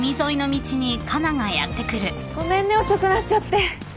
ごめんね遅くなっちゃって。